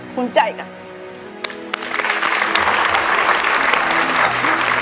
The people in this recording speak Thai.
คุณใจกัน